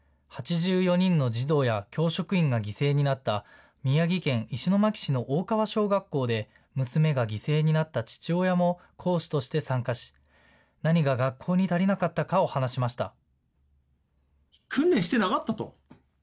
８４人の児童や教職員が犠牲になった宮城県石巻市の大川小学校で娘が犠牲になった父親も講師として参加し、何が学校に足りなかったかを話しました。